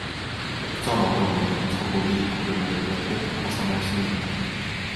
옥점 어머니는 저고리 고름을 매고 버선을 신는다.